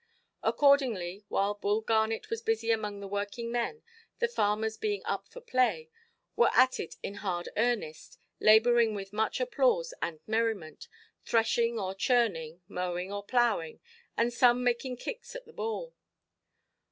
Accordingly, while Bull Garnet was busy among the working men, the farmers, being up for play, were at it in hard earnest, labouring with much applause and merriment, threshing or churning, mowing or ploughing, and some making kicks at the ball.